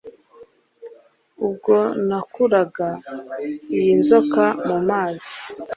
Ubwo nakuraga iyi nzoka mu mazi